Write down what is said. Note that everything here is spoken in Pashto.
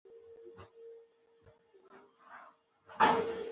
تورکي راته کيسه وکړه.